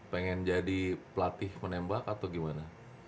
pengen jadi pelatih menembak atau gimana